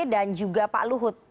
dan juga pak luhut